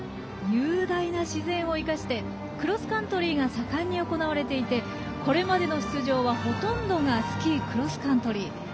雄大な自然を生かしてクロスカントリーが盛んに行われていてこれまでの出場は、ほとんどがスキー・クロスカントリー。